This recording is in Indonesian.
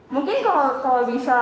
mungkin kalau bisa